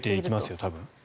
多分。